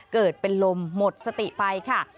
เกิดเป็นลมหมดสติไปค่ะ